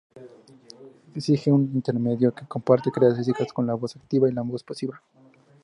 Existe un intermedio que comparte características con la voz activa y la voz pasiva.